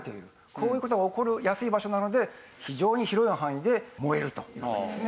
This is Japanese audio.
こういう事が起こりやすい場所なので非常に広い範囲で燃えるというわけですね。